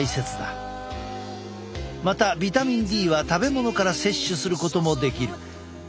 またビタミンＤは食べ物から摂取することもできる。